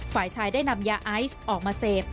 ฝ่ายชายได้นำยาไอซ์ออกมาเสพ